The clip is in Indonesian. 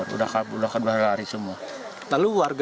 sudah kabur sudah lari semua